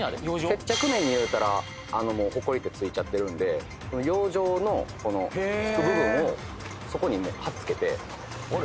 接着面にいうたら埃って付いちゃってるんで養生の付く部分をそこに貼っ付けてあれ